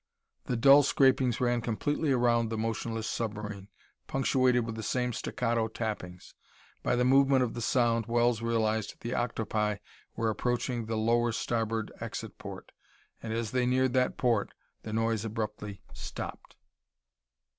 The dull scrapings ran completely around the motionless submarine, punctuated with the same staccato tappings. By the movement of the sound, Wells realized the octopi were approaching the lower starboard exit port. And as they neared that port, the noise abruptly stopped.